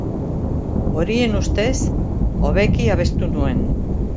Horien ustez, hobeki abestu nuen.